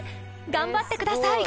頑張ってください！